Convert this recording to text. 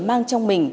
mang trong mình